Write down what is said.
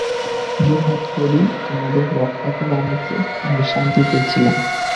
জোড়হাত করি তোমাদের, রক্ষা করো আমাকে– আমি শান্তিতেই ছিলাম।